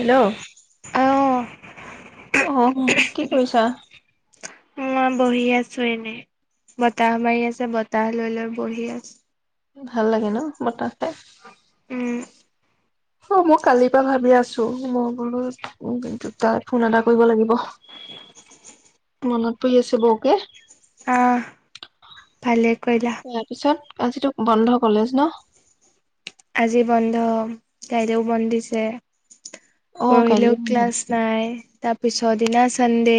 Hello অ', অহ, কি কৰিছা? মই বহি আছো এনে বতাহ মাৰি আছে বতাহ লৈ, লৈ বহি আছ ভাল লাগে ন বতাহ‌ খাই? উম। অ', মই কালিৰ পৰা ভাবি আছো মই বোলো উ, দুটা ফোন এটা কৰিব লাগিব [unintelligible] মনত পৰি আছে বকে অ', ভালে কৰিলা, তাৰপিছত আজিতো বন্ধ কলেজ ন? আজি বন্ধ, কাইলেও বন্ধ দিছে। অ কাইলৈ পৰহিলেও বন্ধ ক্লাছ দিছে নাই তাৰ পিছৰদিনা চান্দে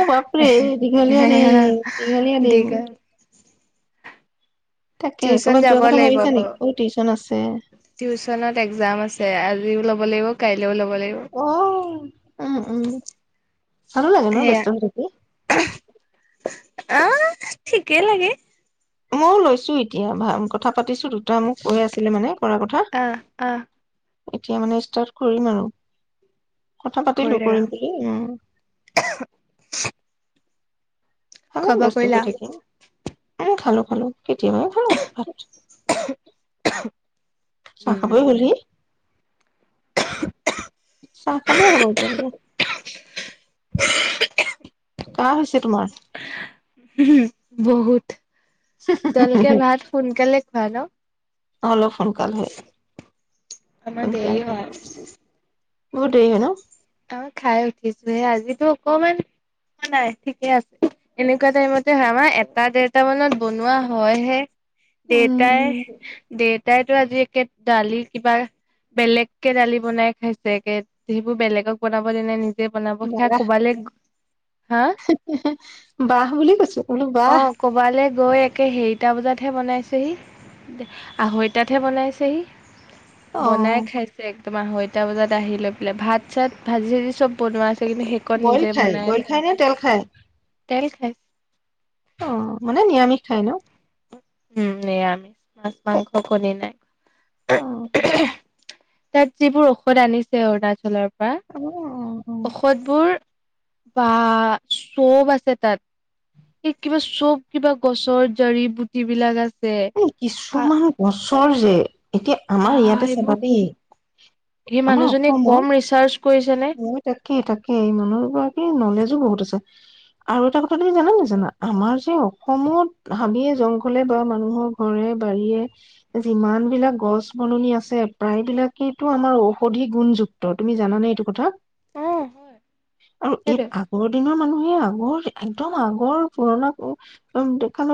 অ বাপৰে দীঘলীয়া দিন দীঘলীয়া দিন দীঘল, তাকে টিউচন ক'ৰবাত যাব যোৱা কথা লাগিব ভাবিছা বৌ নেকি অ টিউচন আছে টিউচনত এক্জাম আছে আজিও ল'ব লাগিব কাইলৈও লব লাগিব। অ উম উম ভালো লাগে ন সেয়া, ব্যস্ত হৈ থাকি অহ ঠিকেই লাগে ময়ো লৈছো এ এতিয়া ভ কথা পাতিছো দেখোন ত মোক কৈ আছিলে মানে কৰা কথা অহ অহ এতিয়া মানে ষ্টাৰ্ট কৰিম আৰু কথা কৰি পাতিলো থাকা। কৰিম বুলি উ খোৱা অলপ বোৱা ব্যস্ত হৈ কৰিলা? থাকিম উম খালো খালো কেতিয়াবাই শেষ খালো ভাত চাহ উম, খাবই হলহি চাহ খাবই হব এতিয়া কাহঁ হৈছে তোমাৰ ওমহো বহুত তোমলোকে ভাত সোনকালে খোৱা ন অলল সোনকাল হয় আমাৰ দেৰি হয় বহুত দেৰি হয় ন আ খাই উঠিছোহে আজিতো অকমান নাই ঠিকে আছে এনেকোৱা টাইমতে হয় আমাৰ এটা দেৰটা মানত বনোৱা হয় হে দেউটাই উম দে তাইতো আজি একে দালি কিবা বেলেগ কেে দালি বনাই খাইছে একে সেইবোৰ বেলেগক বনাব দিলে নিজ ব হা বাহ বুলি কৈছো বোলো বাহ বৌয়ে একে সেৰিটা বজাতহে বনাইছেহি আঢ়ৈটাতহে বনাইছেহি অ বনাই খাইছে তোমাৰ আঢৈটা বজাত আহি লৈ পেলাই ভাত চাত ভাজি ভাজি চব বনোৱা কিন্তু সেইকণ বইল নিজে খায় বনাই বইল খায় নে তেল খায় স অ মানে নিৰামিষ খাই ন উম নিৰামিষ মাছ মাংস কণী নাই অ তাত যিবোৰ ঔষধ আনিছে অৰুণাচলৰ [unintelligible] অ অ ঔষধবোৰ বা চব আছে তাত এই কিবা চব কিবা গছৰ জাৰি বুটি বিলাক আছে কিছুমান গছৰ যে এতিয়া বা আমাৰ ইয়াতে এইবোৰ চাবা দেই সেই মানুহজনে কম ৰিচাৰ ম তাকেই তাকেই এই মানুহগৰাকীৰ নলেজো বহুত আছে আৰু এটা কথা তুমি জানা নেজানা আমাৰ যে অসমত হাবিয়ে জংঘলে বা মানুহৰ ঘৰে বাৰীয়ে যিমান বিলাক গছ বননি আছে প্ৰায়বিলাকেইটো আমাৰ ঔষধি গুণযুক্ত তুমি জানা নে এইটো কথা অ হয় আৰু এই সেইটোৱে আগৰ দিনৰ মানুহ আগৰ একদম আগৰ পুৰণা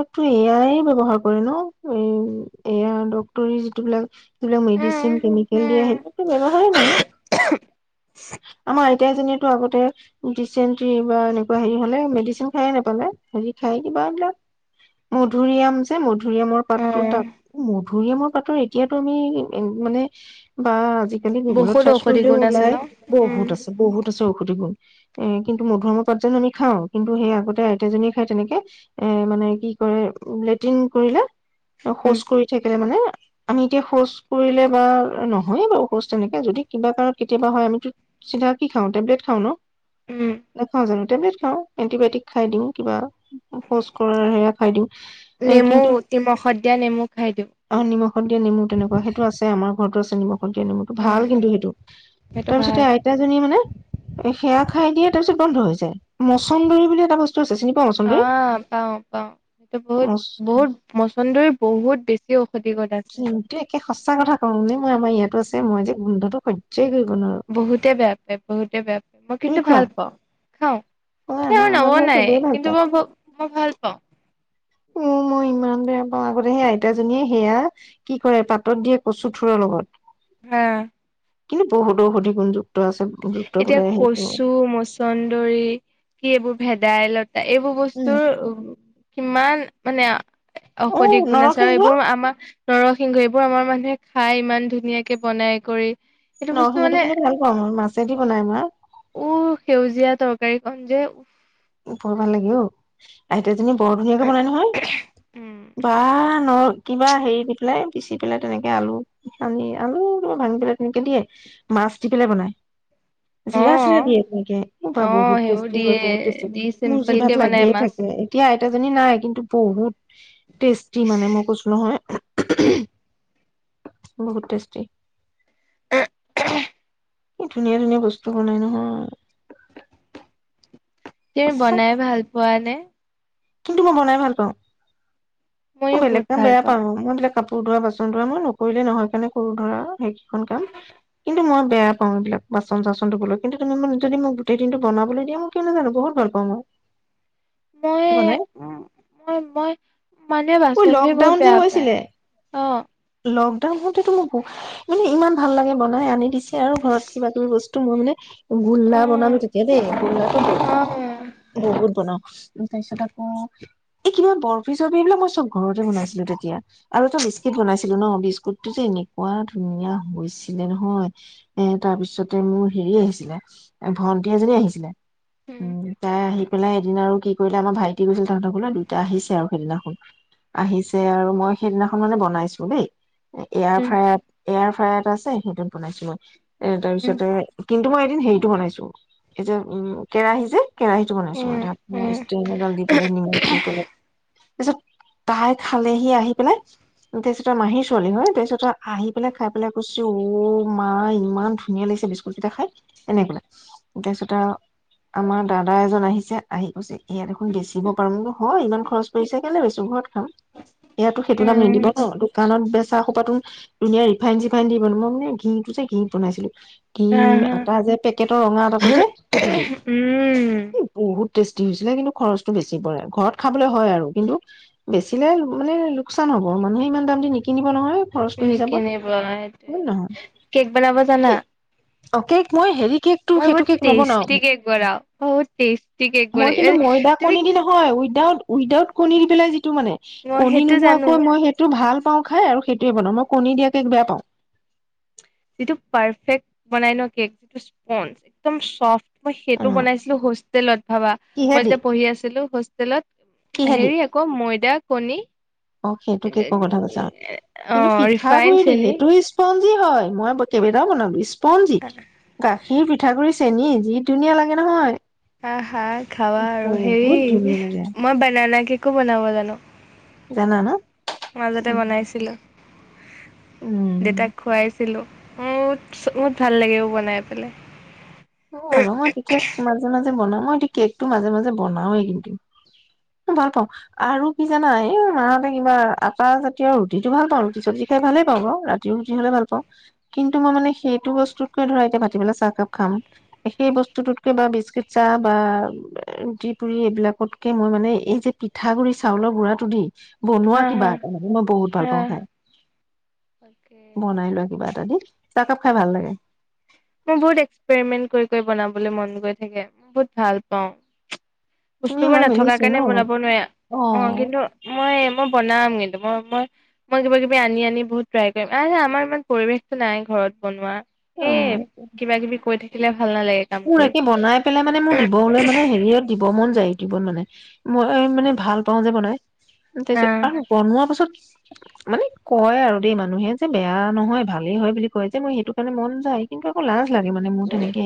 [unintelligible] টো এয়াই ব্যবহাৰ কৰে ন এয়া এই ডাক্টৰী যিটো বিলাক বিলাক মেডিচিন কেমিকেল দিয়ে সেইতুটো ব্যৱহাৰেই নাই আমাৰ আইতা জনীয়ে টো আগতে দিচেন্ত্ৰী বা এনেকুৱা সেই হলে মেডিচিন খাইয়ে নাপালে হেৰি খাই কিবা এইবিলাক মধুৰিআম যে মধু ধুৰিআমৰ অ পাতটো তাত ভুৰিআমৰ পাটৰ, এতিয়াতো আমি মানে বা আজিকালি গুগলত বহুত চাৰ্চ ঔষধি কৰিলেও, গুণ আছে ন ওলায়। উম বহুত আছে, বহুত আছে, টি গুণ এ কিন্তু, মধুআমৰ পাত যেন আমি খাওঁ, কিন্তু সেই আগতে আইতাজীয়ে খাই তেনেকে, এ মানে কি কৰে লেট্ৰিন কৰিলে, উম শৌচ কৰি থাকিলে মানে আমি এতিয়া শৌচ কৰিলে, বা নহয়ে বাৰু শৌচ তেনেকে যদি কিবা কাৰত কেতিয়াবা হয়, আমি চিধা কি খাওঁ, টেবলেট খাও ন। উম নেখাওঁ জানো টেবলেট খাও, এণ্টিবায়টিক খাই দিও, কিবা শৌচ কৰাৰ হেয়া খাই দিও। এ, নেমু কিন্তু নিমখত দিয়া নেমু খাই দিওঁ অ নিমখত দিয়া নেমু তেনেকুৱা সেইটো আছে আমাৰ ফটোৰ [inaudible] [inaudible] নেমুটো ভাল উম কিন্তু সেইটো, সেইটো তাৰপিছতে, ভাল আইতাজনীয়ে মানে সেইয়া খাই দিয়ে ত বন্ধ হৈ যায়। মচন্দৰী বুলি এটা বস্তু আছে চিনি পোৱা অ, মচন্দৰী পাও, পাও, সেইটো বহুত, মচ বহুত মছনদৈৰ, বহুত বেছি ঔষধি [unintelligible] এ, সঁচা কথা কওঁ, নে মই আমাৰ ইয়াতো আছে, মই যে গোন্ধটো হৈয্যই কৰিব নহয়। বহুতে বেয়া পায়, বহুতে বেয়া পায়, মই তুমি কিন্তু খোৱা ভাল পাও, খাও হয় স ন আমাৰ ঘৰত নবনাই, চবেই ভাল কিন্তু পায় মই মই ভাল পাও। উ, মই ইমান বেয়া পাও, আগতে সেই আইতাজনীয়ে সেয়া কি কৰে, পাতত দিয়ে কচুথোৰৰ লগত। হা কিন্তু বহুত [unintelligible] গধু এতিয়া কচু মচন্দৰী, কি এইবোৰ ভেদাইলত এ, এইবোৰ উম বস্তুৰ কিমান মানে অ ঔষধিক গুণচাৰ, নৰসিংহ এইবোৰ আমাৰ নৰসিংহ, এইবোৰ আমাৰ মানুহে খাই ইমান ধুনীয়াকে বনাই কৰি। এইটো বস্তু নসিংহটো, মানে কিন্তু ভাল পাও, ম‌ই মাছ দি বনাই মা উ, সেউজীয়া তৰকাৰীখন যে, বৰ ভাল লাগিল অই, আইটা বৰ ধুনীয়াকে বনাই নহয়। উম বা নৰসিংহ কিবা হেৰি দি পেলাই, পিচি পেলাই, তেনেকে আলু আনি আলু কিবা ভাঙি পেলাই, তেনেকে দিয়ে মাছ দি পেলাই বনাই। জিৰা, চিৰা অ' দিয়ে তেনেকে অ' বহুত সেইবোৰ টেষ্টি দিয়ে হয় বহুত টেষ্টি দি চিম্পল কে মোৰজিভাত বনাই লাগিয়ে মাছ থাকে, এতিয়া আইতাজনী নাই কিন্তু বহুত টেষ্টি মানে মই কৈছোঁ নহয় বহুত টেষ্টি। [inaudible] কি ধুনীয়া ধুনীয়া বস্তু বনাই নহয়। তে বনাই সঁচাকে ভাল পোৱা নে? কিন্তু মই বনাই ভাল পাওঁ। মই ময়ো বেলেগ বহুত কাম ভাল বেয়া পাওঁ, মই এইবিলাক কাপোৰ ধোৱা, বাচন ধোৱা মই নকৰিলে নহয় কাৰণে কৰো ধৰা, সেইকেইখন কাম কিন্তু মই বেয়া পাওঁ এইবিলাক বাচন-চাচন ধুবলৈ। কিন্তু তুমি যদি মোক গোটেই দিনটো বনাবলৈ দিয়া মই কিয় নাজানো বহুত ভাল পাওঁ মই। ময়ে, বনাই মই, মই মানে ঐ বাচন ধুই বহুত লকডাউন যে বেয়া পায়, হৈছিলে অ', লকডাউন হওঁতে তো মোক ব ইমান ভাল লাগে বনাই আনি দিছে আৰু ঘৰত কিবা কিবি বস্তু মই মানে গোল্লা বনালো তেতিয়া দেই, গোল্লটো বত -বহুত বনাও। তাৰ পিছত আকৌ এই কিবা বৰফি-চৰ্ফি এইবিলাক মই চব ঘৰতে বনাইছিলো তেতিয়া, আৰু এটা বিস্কিট বনাইছিলো ছিলো ন বিস্কুটটো যে এনেকুৱা ধুনীয়া হৈছিলে নহয়, এ তাৰ পিছতে মোৰ হেৰি আহিছিলে ভন্টি এজনী আহিছিলে উম', তাই আহি পেলাই এদিন আৰু কি কৰিলে আমাৰ ভাইটি গৈছিল তাহাঁতৰ ঘৰলে দুইটা আহিছে আৰু সেইদিনাখন আহিছে আৰু মই সেইদিনাখন মানে বনাইছো দেই এয়াৰ ফায়াত এয়াৰ ফ্ৰায়াৰ এটা আছে সেইটোত বনাইছো মই। এ তাৰপিছতে কিন্তু মই এদিন হেৰিটো বনাইছো, এইটো উম, কেৰাহী যে কেৰাহীটো বনাইছো মই [unintelligible] মই ষ্টেণ্ড এডাল দি পেলাই নিমখ দি তলত, তাৰপাছত তাই খালেহি আহি পেলাই অ'ফিচ মাহীৰ ছোৱালী হয়, তাৰপিছত আহি পেলাই খাই পেলাই কৈছে, অ', মা ইমান ধুনীয়া লাগিছে বিস্কুট কেইটা খাই, এনেকে ক'লে তাৰপিছত আৰু আমাৰ দাদা এজন আহিছে আহি কৈছে এইয়া দেখোন বেচিব পাৰ মই বোলো হয় ইমান খৰচ পৰিছে কেলে বেচো ঘৰত খাম, ইয়াতো সেইটো দাম নিদিব ন কাণত বেচা সোপাতো ধুনীয়া ৰিফাইন চিফাইন দি বনো মই মানে ঘিটো যে ঘিত বনাইছিলো। ক্ৰীম, আহা আটা যে পেক কেটৰ ৰঙা আতাটোজে সেইটো দি, উম বহুত টেষ্টি হৈছিলে কিন্তু খৰচটো বেছি পৰে, ঘৰত খাবলে হয় আৰু কিন্তু বেচিলে মানে লোকচান হ'ব, মানুহে ইমান দাম নিকিনিব নহয়। খৰচটো হিচাপত হয় নহয় [unintelligible] কেক বনাব জানা? অ কেক মই হেৰি কেকটো মই সেইটো বহুত কেক নবনাও টেষ্টি কেক বনাওঁ, বহুত টেষ্টি কেক বনাওঁ তুমি দাউত উইদাউত কণী দি পেলাই যেত টো মানে, মই কণী সেইটো জানো নোহোৱাকৈ মই সেইটো ভাল পাওঁ খাই আৰু সেইটোৱে বনাওঁ, মই কণী দিয়া কেক বেয়া পাওঁ। যিটো পাৰফেক্ট বনাই ন' কেক, স্পন একদম চফ্ট। মই সেইটো অ বনাইছিলো হোচ টেলত ভাবা মই কিহেদি যেতিয়া পঢ়ি আছিলো হোষ্টেলত কিহেদি হেৰি আকৌ ময়দাক কণী অ', সেইটোকে কেকৰ কথা কৈছা কিন্তু অ' ৰিফাইন পিঠাগুৰি দেই চেনি সেইটো স্প কি হয় মই বতিবেডাও বনাবিছ পঞ্জিত গাখীৰ পিঠাগুৰি চেনী যি ধুনীয়া লাগে নহয়। হা, হা খাৱা আৰু হেৰি বহুত ধুনীয়া লাগে মই বনানা কেক কো বনাব জানো। জানা না মাজতে উম। বনাইছিলো দেউতাক উম খুৱাইছিলো। উমথ বহুত ভাল লাগে বনাই পেলাই। অ', আৰু মই বিশেষ মাজে মাজে বনাওঁ। মই এই কেক টো মাজে মাজে বনাওঁৱেই কিন্তু ভাল পাওঁ আৰু কি জানা এই মতে কিবা আটা জাতীয় ৰুটিটো ভাল পাওঁ ৰুটি চব্জি খাই ভালেই পাওঁ বাৰু ৰাতি ৰুটি হ'লে ভাল পাওঁ কিন্তু মই মানে সেইটো বস্তুতকৈ ধৰা এতিয়া ভাটি বেলা চাহকাপ খাম সেই বস্তুতটোতকে বা বিস্কুট চাহ বা ৰুটি, পুৰি এইবিলাকতকে মই মানে এই যে পিঠাগুৰি চাউলৰ গুড়টো দি বনোৱা হা কিবা হা এটা মানে মই বহুত ভাল হা পাওঁ খাই বনাই লোৱা কিবা এটা ইতাদ চাহকাপ খাই ভাল লাগে। মোৰ বহুত এক্সপেৰিমেন্ট কৰি কৰি বনাবলৈ মন গৈ থাকে, মই বহুত ভাল পাওঁ। তুমি বস্তুবোৰ মই নথকা মিলিছো ন কাৰণে বনাব নোৱাৰি অ, কিন্তু মই, মই বনাম কিন্তু মই, মই -মই, কিবা -কিবি আনি -, বহুত ট্ৰাই কৰিম। আৰে আমাৰ ইমান পৰিৱেশটো নাই ঘৰত বনোৱা। অহ এই ', কিবা- কিবি কৈ থাকে। [unintelligible] মোৰ একে বনাই পেলাই মানে মোৰ দিবলৈ মানে হেৰিয়ত দিব। মন যায় ইউটিউবত মানে, মই মানে ভাল পাওঁ যে বনাই। উম, তাৰ পিছত আহ আৰু বনোৱা পাছত, মানে কয় আৰু দেই মানুহে যে, বেয়া নহয় ভালেই হয় বুলি কয় যে, মোৰ সেইটো কাৰণে মন যায় কিন্তু আকৌ লাজ, লাগে মানে মোৰ তেনেকে,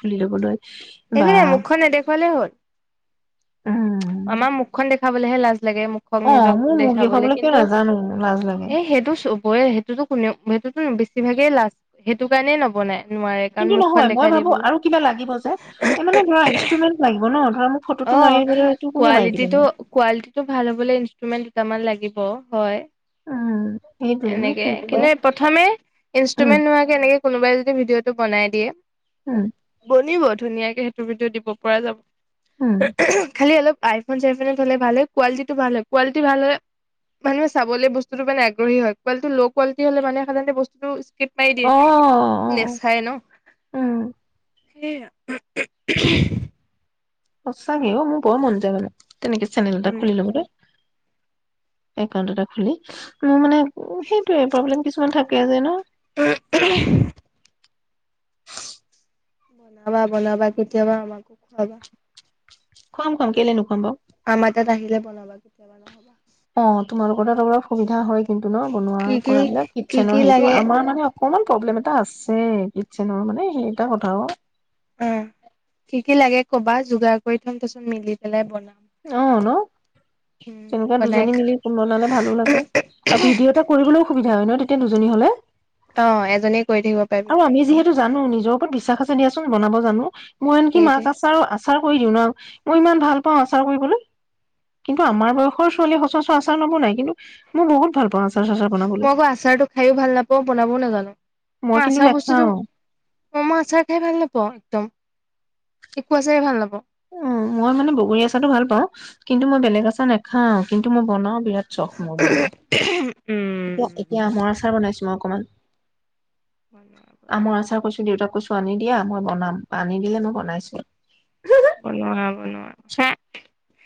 খুলি লবলৈ বা, একো নাই মুখখন নেদেখুৱালে হ'ল। উম আমাৰ মুখখন দেখ, - খাবলৈহে লাজ, লাগে মুখক অ নিজক মোৰ মুখ দেখাবলে দেখুৱাবলৈ কিয় কিন্তু নাজানো লাজ লাগে। এ, সেইটো চব, হয়, সেইটো- টো কোনেওঁ সেইটোতো বেছিভাগেই লাজ, সেইটো কাৰণেই নবনাই। নোৱাৰে কাৰণ কিন্তু মুখখন নহয়, মই দেখাই ভাবোঁ দিবলৈ আৰু কিবা লাগিব যে, এই মানে ধৰা ইনষ্ট্ৰুমেন্ট লাগিব ন'। ধৰা মোক ফটোটো মাৰি অ', দিবলৈ এইটো কোনে মাৰি দিব নো কোৱালিটিটো, কোৱালিটিটো ভাল হবলৈ ইনষ্ট্ৰুমেন্ট দুটামান লাগিব। ব, হয়। উম সেইটোৱে মোক এনেকে, কোনোবাই কিনে প্ৰথমে উম ইনষ্ট্ৰুমেন্ট নোহোৱাকে এনেকে কোনোবাই যদি ভিডিঅটো বনাই দিয়ে, উম বনিব টো। ধুনীয়াকে সেইটো ভিদিও দিব পৰা উম যাব। খালি অলপ। আইফোন-চাইফোনত হলে ভাল হয়, কোৱালিটিটো ভাল হয়, কোৱালিটি ভাল হলে, মানুহে চাবলৈ বস্তুতটো মানে আগ, গ্ৰহী হয় কোৱালিটিটো ল' কোৱালিটি হলে মানে সাধণৰনতে বস্তুটো স্প, ইস্কিপ মাৰি অ', দিয়ে, অ', নেচায় ন উম, ', সেইয়া। সচ্চাকে অ', মোৰ বৰ মন যায় মানে। তেনেকে, চেনেল এটা উম খুলি ল'বলে। একাউন্ট এটা খুলি মোৰ মানে, সেইটোয়ে প্ৰব্লেম কিছুমান থাকে। কিয় জানো? উ', উহু হু। বনাবা- বনাবা, কেতিয়াবা আমাকো খুৱাবা। খুৱাম -খুৱাম, কেলে নুখুৱাম বাৰু। আমাৰ তাত আহিলে বনাবা কেতিয়াবা নহয়বা। অ'তোমালোকৰ অলপ সুবিধা হয়। কিন্তু ন', বনোৱা কি কি কৰাবিলাক কি কি কিটচেনৰ হেইটো লাগে আমাৰ মানে। অকমান প্ৰব্লেম এটা আছে কিটচেনৰ মানে সেইটা কথাওঁ। অ কি কি লাগে কবা যোগাৰ কৰি থম তাৰপিছত মিলি পেলাই বনাম। অ', ন', উম তেনেকুৱা বনাই দুজনী খাম মিলি বনালে ভালো লাগে আৰু ভিডিঅ' এটা কৰিবলৈও সুবিধা হয় ন', তেতিয়া। তে দুজনী হলে। অ', এজনী। আৰু আমি যিহেতু জানো নিজৰ ওপৰত। বিশ্বাস আছে দিয়াচোন বনাব জানোঁ। মই আন্‌কি সেইটোৱে মাক আছাৰো আছ। আচাৰ কৰি দিওঁ ন', মই ইমান ভাল পাওঁ আচাৰ কৰিবলৈ, কিন্তু আমাৰ বয়সৰ ছোৱালীয়ে সচৰাচৰ আচাৰ নবনাই, কিন্তু মই বহুত ভাল পাওঁ আচাৰ। চাচাৰ বনাবলৈ মই আকৌ আচাৰটো খাইওঁ ভাল নাপাওঁ বনাবও নাজানো। মই কিন্তু নেখাওঁ। ম‌ই আচাৰ খাই ভাল নাপাওঁ একদম, একো আচাৰে ভাল নাপাওঁ। অ', মই মানে বগৰী আচাৰটো ভাল পাওঁ কিন্তু মই বেলেগ আচাৰ নেখাওঁ, কিন্তু মই বনাওঁ। বিৰাট চখ মোৰ বনোৱা, উম এতিয়া এতিয়া আমৰ আচাৰ বনাইছোঁ মই অকমান। বনোৱা আ মই আচা কৈছো দেউতাক কৈছো আনি দিয়া মই বনাম আনি দিলে মো বনাইছো বনোৱা বনোৱা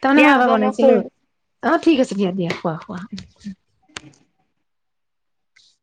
তাৰমানে দিয়া মই এব হ'ব বনাইছিলো শুম অ ঠিক আছে দিয়া দিয়া খোৱা খোৱা উ